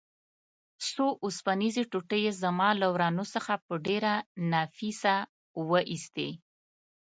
څو اوسپنیزې ټوټې یې زما له ورنو څخه په ډېره نفیسه وه ایستې.